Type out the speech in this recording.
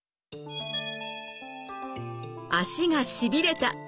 足がしびれた。